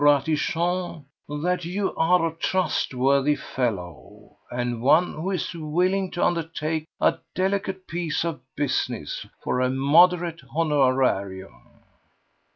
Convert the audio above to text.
Ratichon, that you are a trustworthy fellow, and one who is willing to undertake a delicate piece of business for a moderate honorarium."